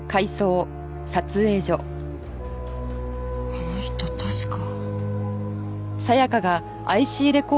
あの人確か。